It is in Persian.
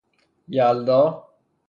یلدا